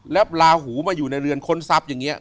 แล้วลาหูมาอยู่ในเรือนค้นทรัพย์อย่างนี้